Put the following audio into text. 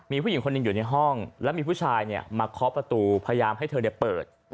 มีผู้หญิงคนหนึ่งอยู่ในห้องแล้วมีผู้ชายมาเคาะประตูพยายามให้เธอเปิด